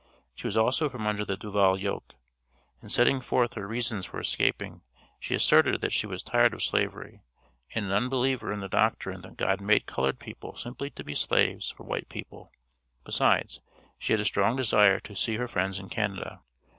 She was also from under the Duvall yoke. In setting forth her reasons for escaping she asserted that she was tired of slavery and an unbeliever in the doctrine that God made colored people simply to be slaves for white people; besides, she had a strong desire to "see her friends in Canada."